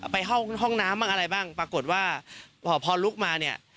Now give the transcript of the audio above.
ไปเข้าห้องน้ำบ้างอะไรบ้างปรากฏว่าพอลุกมาเนี่ย